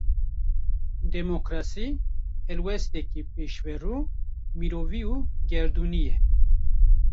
Demokrasî, helwesteke pêşverû, mirovî û gerdûnî ye